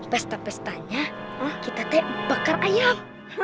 pesta pesta nya kita bakar ayam